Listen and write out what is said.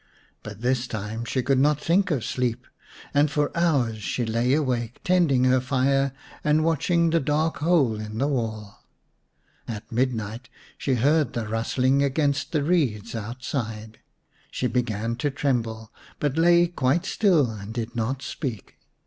But this time she could not think of sleep, and for hours she lay awake, tending her fire and watching the dark hole in the wall. At midnight she heard the rustling against the reeds outside. She began to tremble, but lay quite still and did not speak.